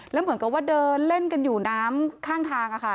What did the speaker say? แล้วเหมือนกับว่าเดินเล่นกันอยู่น้ำข้างทาง